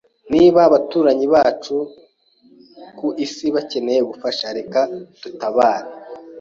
Niba abaturanyi bacu ku isi bakeneye ubufasha, reka dutabare